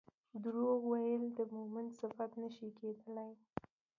دروغ ويل د مؤمن صفت نه شي کيدلی